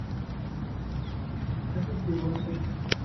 Ad tent-iwanes?